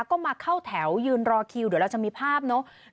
ก็มาเข้าแถวยืนรอคิวเดี๋ยวเราจะมีภาพเนอะ